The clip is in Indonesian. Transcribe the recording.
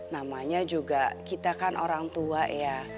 namanya juga kita kan orang tua ya